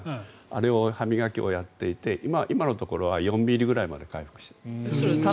あれを、歯磨きをやっていて今のところは４ｍｍぐらいまで回復しました。